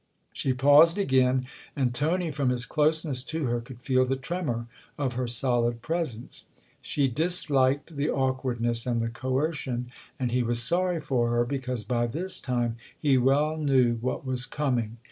She paused again, and Tony, from his closeness to her, could feel the tremor of her solid presence. She disliked the awkwardness and the coercion, and he was sorry for her, because by this time he well knew what was coming.